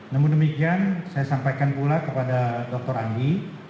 namun demikian saya sampaikan pula kepada dr andi